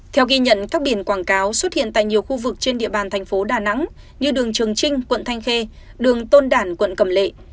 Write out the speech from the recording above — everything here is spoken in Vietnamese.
theo ghi nhận các biển quảng cáo xuất hiện tại nhiều khu vực trên địa bàn thành phố đà nẵng như đường trường trinh quận thanh khê đường tôn đản quận cầm lệ